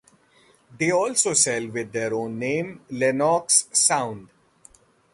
They also sell with their own name "Lenoxx Sound".